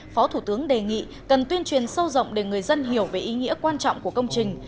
phó thủ tướng đề nghị cần tuyên truyền sâu rộng để người dân hiểu về ý nghĩa quan trọng của công trình